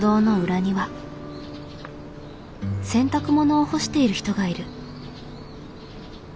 洗濯物を干している人がいる。